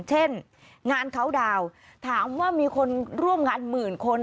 เช่นงานเขาดาวน์ถามว่ามีคนร่วมงานหมื่นคน